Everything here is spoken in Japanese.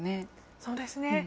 そうですね。